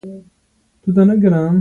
پړ مې که ، مړ مې که.